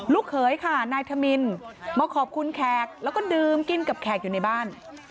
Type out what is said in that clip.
เขยค่ะนายธมินมาขอบคุณแขกแล้วก็ดื่มกินกับแขกอยู่ในบ้าน